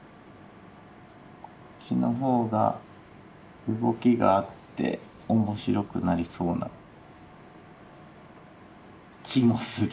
こっちの方が動きがあって面白くなりそうな気もする。